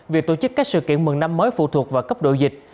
việc tổ chức các sự kiện mừng năm mới phụ thuộc vào cấp độ dịch